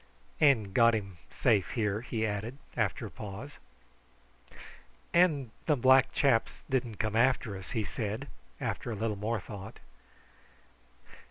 "And got him safe here," he added after a pause. "And the black chaps didn't come after us," he said after a little more thought.